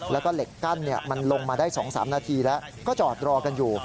แล้วก็เหล็กกั้นมันลงมาได้๒๓นาทีแล้วก็จอดรอกันอยู่